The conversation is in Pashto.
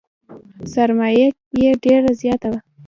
سرمایه یې ډېره زیاته وه .